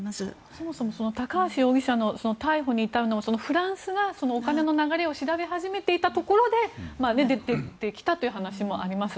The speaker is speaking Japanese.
そもそも高橋容疑者の逮捕に至るのもフランスがお金の流れを調べ始めていたところで出てきたという話もあります。